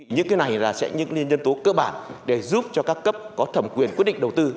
những cái này sẽ những nhân tố cơ bản để giúp cho các cấp có thẩm quyền quyết định đầu tư